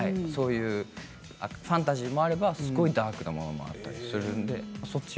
ファンタジーもあればすごくダークなものもあったりするので。